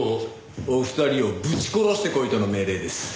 お二人をぶち殺してこいとの命令です。